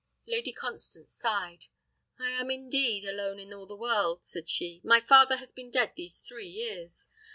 Lady Constance sighed. "I am indeed alone in all the world," said she. "My father has been dead these three years.